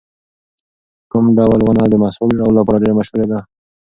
کوم ډول ونه د مسواک جوړولو لپاره ډېره مشهوره ده؟